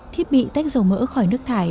thiết bị tách dầu mỡ khỏi nước thải